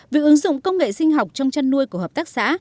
việc ứng dụng công nghệ sinh học trong chăn nuôi của hợp tác xã